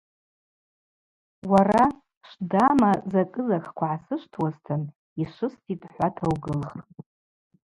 Уара – Швдама закӏы-закӏква гӏасышвтуазтын йшвыститӏ – хӏвата угылх.